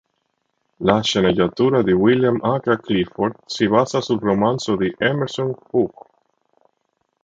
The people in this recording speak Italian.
La sceneggiatura di William H. Clifford si basa sul romanzo di Emerson Hough.